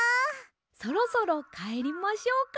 そろそろかえりましょうか。